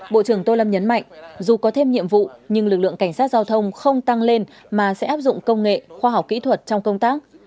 bộ trưởng tô lâm nhấn mạnh dù có thêm nhiệm vụ nhưng lực lượng cảnh sát giao thông không tăng lên mà sẽ áp dụng công nghệ khoa học kỹ thuật trong công tác